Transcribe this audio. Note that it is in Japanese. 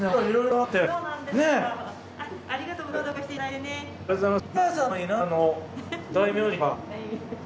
ありがとうございます。